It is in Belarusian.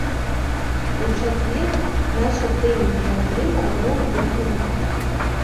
У чацвер наша тэнісная прыма зноў выйдзе на корт.